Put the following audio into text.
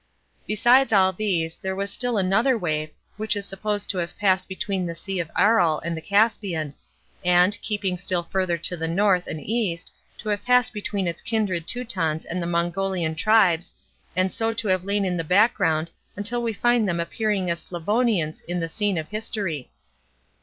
Besides all these, there was still another wave, which is supposed to have passed between the Sea of Aral and the Caspian, and, keeping still further to the north and east, to have passed between its kindred Teutons and the Mongolian tribes, and so to have lain in the background until we find them appearing as Slavonians on the scene of history.